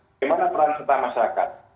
bagaimana peran setara masyarakat